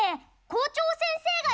校長先生ね。